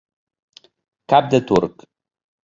Cap de turc.